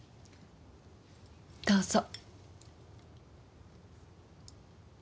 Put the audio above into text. どうぞ。